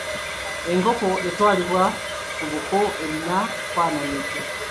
Enkoko etwalibwa ku buko erina kufaanana etya?